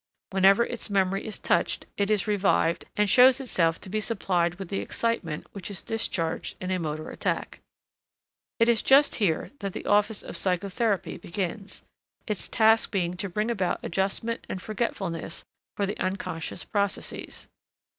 Whenever its memory is touched, it is revived and shows itself to be supplied with the excitement which is discharged in a motor attack. It is just here that the office of psychotherapy begins, its task being to bring about adjustment and forgetfulness for the unconscious processes.